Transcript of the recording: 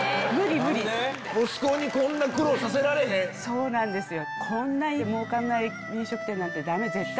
そうなんですよ。